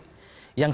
yang sengaja ingin